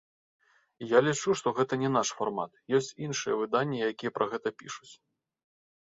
Я лічу, што гэта не наш фармат, ёсць іншыя выданні, якія пра гэта пішуць.